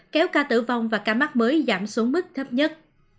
kéo ca tử vong và ca mắc mới giảm xuống mức thấp nhất